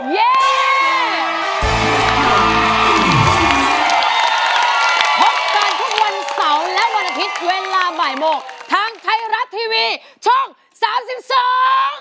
พบกันทุกวันเสาร์และวันอาทิตย์เวลาบ่ายโมงทางไทยรัฐทีวีช่องสามสิบสอง